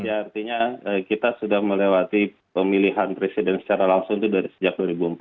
artinya kita sudah melewati pemilihan presiden secara langsung itu sejak dua ribu empat